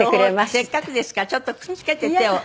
せっかくですからちょっとくっつけて手を。